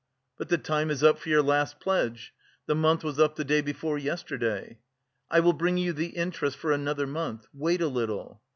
"But the time is up for your last pledge. The month was up the day before yesterday." "I will bring you the interest for another month; wait a little."